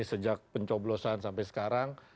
sejak pencoblosan sampai sekarang